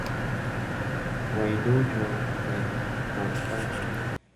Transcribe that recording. Why Do You Let Me Stay Here?